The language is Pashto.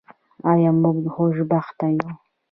آیا موږ خوشبخته یو؟